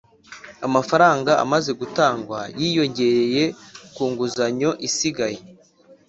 amafaranga amaze gutangwa yiyongereye ku nguzanyo isigaye